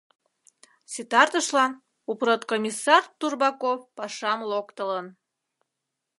Ситартышлан упродкомиссар Турбаков пашам локтылын.